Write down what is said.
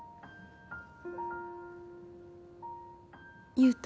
優太。